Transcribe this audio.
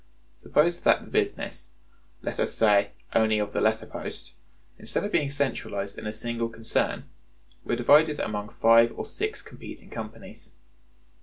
Suppose that the business, let us say only of the letter post, instead of being centralized in a single concern, were divided among five or six competing companies.